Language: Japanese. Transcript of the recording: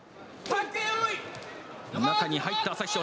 中に入った、旭日松。